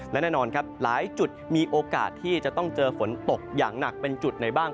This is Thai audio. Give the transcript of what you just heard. และแน่นอนครับหลายจุดมีโอกาสที่จะต้องเจอฝนตกอย่างหนักเป็นจุดไหนบ้าง